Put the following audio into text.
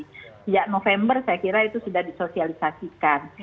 sejak november saya kira itu sudah disosialisasikan